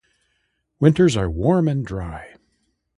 Winters are dry and warm.